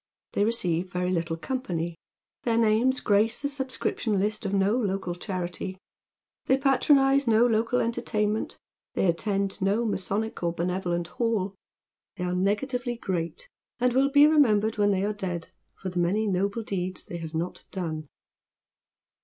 They i«ceive very little company, their names grace the subscriptifJf M Dead Meris Shoes. list of no local charity, they patronize no local entertaimnfint, they attend no masonic or benevolent hall. They are negatively great, and will be remembered when they are dead for the many noble deeds they have not done.